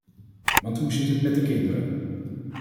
Want hoe zit het met de kinderen?